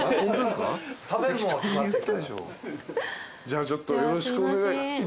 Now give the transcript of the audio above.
じゃあちょっとよろしくお願いいたします。